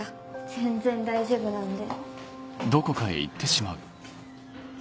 全然大丈夫なんで。